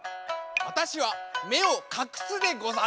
わたしはめをかくすでござる。